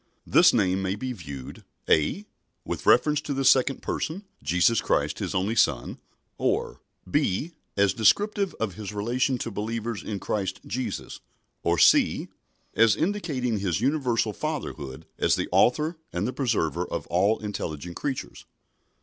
This name may be viewed (a) with reference to the second Person, Jesus Christ His only Son, or (b) as descriptive of His relation to believers in Christ Jesus, or (c) as indicating His universal Fatherhood as the Author and the Preserver of all intelligent creatures.